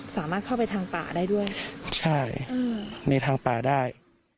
สามารถเข้าไปทางป่าได้ด้วยใช่มีทางป่าได้